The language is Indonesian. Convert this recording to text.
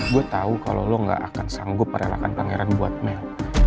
gue tahu kalau lo gak akan sanggup merelakan pangeran buat mel